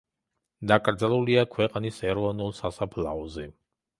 დაკრძალულია ქვეყნის ეროვნულ სასაფლაოზე.